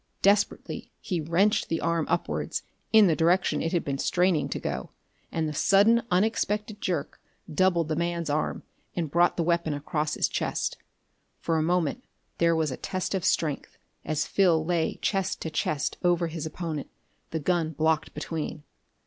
Desperately, he wrenched the arm upwards, in the direction it had been straining to go, and the sudden unexpected jerk doubled the man's arm and brought the weapon across his chest. For a moment there was a test of strength as Phil lay chest to chest over his opponent, the gun blocked between.